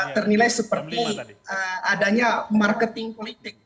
ternilai seperti adanya marketing politik